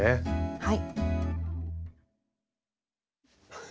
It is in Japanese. はい。